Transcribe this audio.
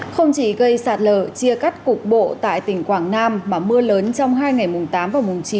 không chỉ gây sạt lở chia cắt cục bộ tại tỉnh quảng nam mà mưa lớn trong hai ngày mùng tám và mùng chín